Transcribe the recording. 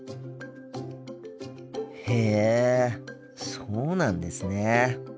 へえそうなんですね。